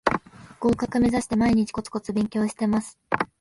合格めざして毎日コツコツ勉強してます